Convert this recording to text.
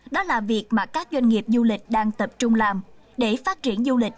đó là việc mà các doanh nghiệp du lịch đang tập trung làm để phát triển du lịch